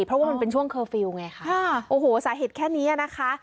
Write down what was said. เพราะว่ามันเป็นช่วงเคอร์ฟิลล์ไงค่ะโอ้โหสาเหตุแค่นี้นะคะ